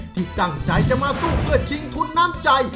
ที่ตั้งใจจะมาสู้เพื่อชิงทุนน้ำใจ